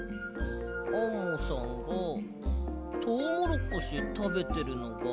アンモさんがトウモロコシたべてるのが？